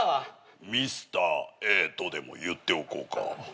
ミスターＡとでも言っておこうか。